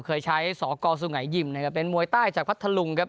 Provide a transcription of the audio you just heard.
เคยใช้สกสุงัยยิมนะครับเป็นมวยใต้จากพัทธลุงครับ